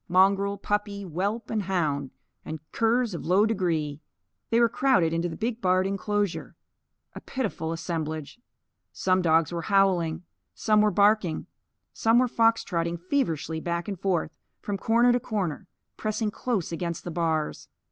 "Mongrel, puppy, whelp and hound, and curs of low degree." They were crowded into the big barred inclosure a pitiful assemblage. Some dogs were howling, some were barking, some were fox trotting feverishly back and forth, from corner to corner, pressing close against the bars.